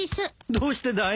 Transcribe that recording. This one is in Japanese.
どうしてだい？